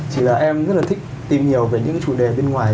chỉ là em rất là thích tìm nhiều về những chủ đề bên ngoài